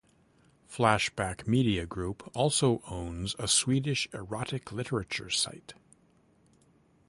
Flashback Media Group also own a Swedish erotic literature site.